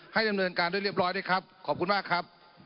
ดำเนินการด้วยเรียบร้อยด้วยครับขอบคุณมากครับ